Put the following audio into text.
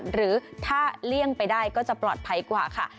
หรือถ้าเลี่ยงไปได้ก็จะปลอดภัยกว่าค่ะ